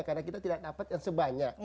karena kita tidak dapat yang sebanyak